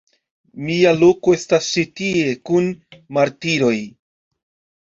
Mia loko estas ĉi tie, kun martiroj!